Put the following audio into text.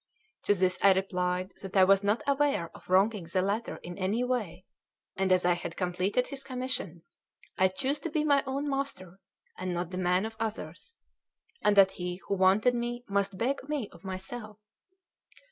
To this I replied that I was not aware of wronging the latter in any way, and as I had completed his commissions, I chose to be my own master and not the man of others, and that he who wanted me must beg me of myself.